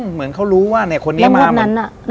เหมือนเขารู้ว่าคนเนี้ยมาและงดนั้นน่ะ